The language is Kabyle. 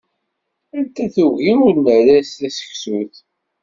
Anta tuggi ur nerri taseksut?